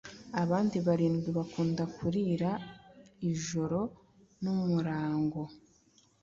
Abandi barindwi bakunda kurira ijoro n'umurango